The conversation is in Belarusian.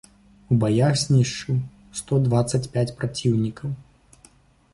У баях знішчыў сто дваццаць пяць праціўнікаў.